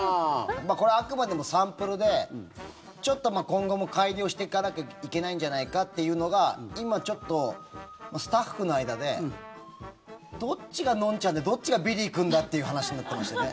これはあくまでもサンプルでちょっと今後も改良していかなきゃいけないんじゃないかというのが今、ちょっとスタッフの間でどっちが、のんちゃんでどっちが、びりーくんだっていう話になってましてね。